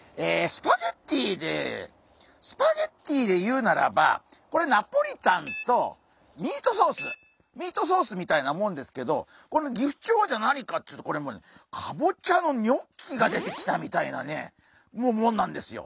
スパゲッティでスパゲッティで言うならばこれナポリタンとミートソースミートソースみたいなもんですけどこのギフチョウはじゃあ何かっていうとこれもうねかぼちゃのニョッキが出てきたみたいなねもんなんですよ。